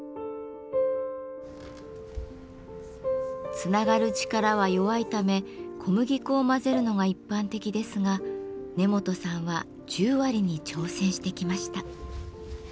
つながる力は弱いため小麦粉を混ぜるのが一般的ですが根本さんは十割に挑戦してきました。